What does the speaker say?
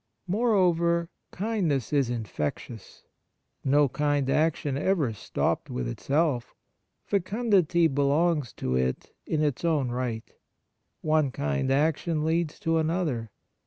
Moreover, kindness is infectious. No kind action ever stopped with itself. Fecundity belongs to it in its owm right. One kind action leads to another.